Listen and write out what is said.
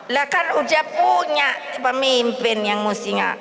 lah kan udah punya pemimpin yang mestinya